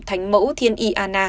thành mẫu thiên y an na